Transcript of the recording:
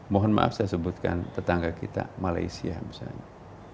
mohon maaf saya sebutkan tetangga kita malaysia misalnya